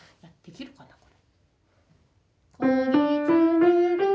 できるかな？